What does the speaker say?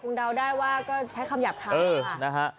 คุณเดาได้ว่าก็ใช้คำหยับทั้ง